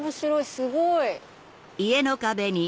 すごい！